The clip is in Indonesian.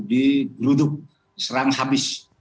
di geruduk diserang habis